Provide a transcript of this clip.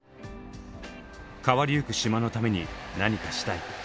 「変わりゆく島のために何かしたい」。